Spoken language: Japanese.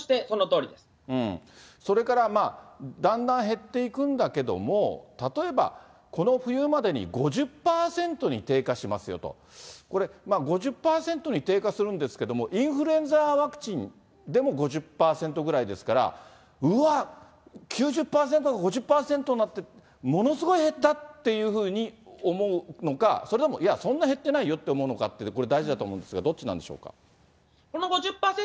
それから、だんだん減っていくんだけども、例えば、この冬までに５０％に低下しますよと、これ、５０％に低下するんですけども、インフルエンザワクチンでも５０％ぐらいですから、うわっ、９０％が５０％になって、ものすごい減ったっていうふうに思うのか、それとも、いや、そんな減ってないよって思うのかって、これ、大事だと思うんですけど、どっちなんでしょうか。